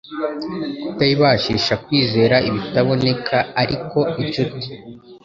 kutayibashisha kwizera ibitaboneka iariko inshuti